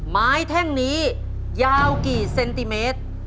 แท่งนี้ยาวกี่เซนติเมตร